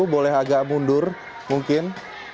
boleh agak mundur mungkin